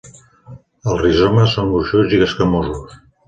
Els rizomes són gruixuts i escamosos.